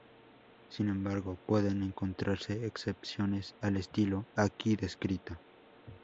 Sin embargo, pueden encontrarse excepciones al estilo aquí descrito.